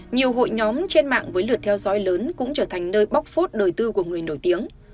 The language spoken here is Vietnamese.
nhiều hội nhóm trên mạng với lượt theo dõi lớn cũng trở thành nơi bóc phốt đời tư của người nổi tiếng